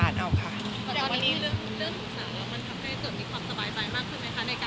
วันนี้เรื่องมันเริ่มอุตส่งแล้วมันทำให้เกิดมีความสบายใจมากขึ้นไหมคะ